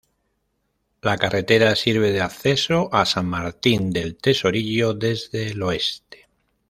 La carretera sirve de acceso a San Martín del Tesorillo desde el oeste.